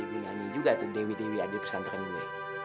ibu nyanyi juga tuh dewi dewi adik pesantren gue